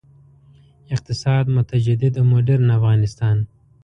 اقتصاد، متجدد او مډرن افغانستان.